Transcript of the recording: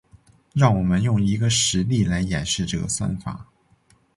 让我们用一个实例来演示这个算法。